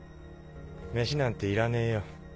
飯なんていらねえよ。